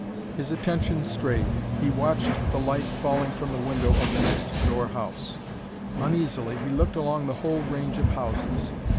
His attention strayed. He watched the light falling from the window of the next door house. Uneasily, he looked along the whole range of houses.